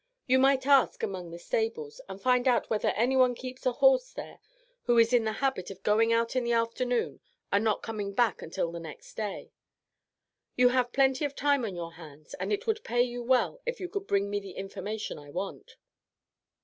You might ask among the stables, and find out whether anyone keeps a horse there who is in the habit of going out in the afternoon and not coming back until the next day. You have plenty of time upon your hands, and it would pay you well if you could bring me the information I want."